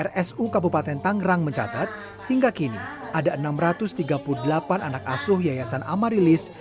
rsu kabupaten tangerang mencatat hingga kini ada enam ratus tiga puluh delapan anak asuh yayasan amarilis